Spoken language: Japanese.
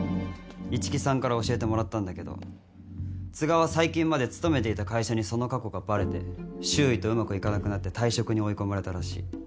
一木さんから教えてもらったんだけど都賀は最近まで勤めていた会社にその過去がバレて周囲とうまくいかなくなって退職に追い込まれたらしい。